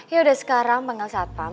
yaudah sekarang panggilan saat pam